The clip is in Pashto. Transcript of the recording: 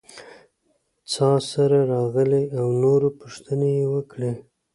څاسره راغلې او نور پوښتنې یې وکړې.